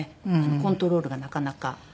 コントロールがなかなか。